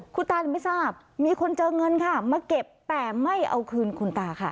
คุณตาไม่ทราบมีคนเจอเงินค่ะมาเก็บแต่ไม่เอาคืนคุณตาค่ะ